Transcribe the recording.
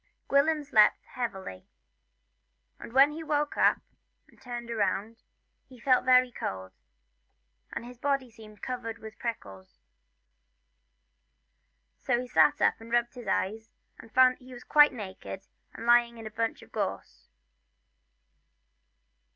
Gwilym slept heavily, and when he awoke turned round, for he felt very cold, and his body seemed covered with prickles ; so he sat up and rubbed his eyes, and found that he was quite naked and lying in a bunch of gorse.